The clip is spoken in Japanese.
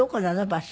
場所。